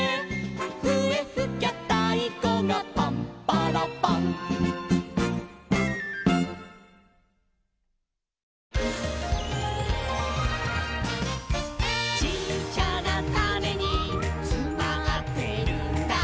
「ふえふきゃたいこがパンパラパン」「ちっちゃなタネにつまってるんだ」